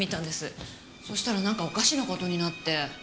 そしたらなんかおかしな事になって。